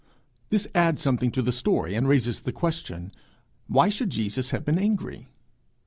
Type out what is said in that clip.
This adds something to the story, and raises the question, Why should Jesus have been angry?